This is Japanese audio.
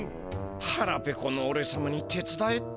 はらペコのおれさまに手つだえって？